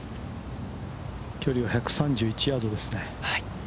距離は１３１ヤードですね。